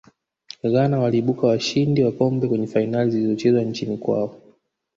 ghana waliibuka washindi wa kombe kwenye fainali zilizochezwa nchini kwao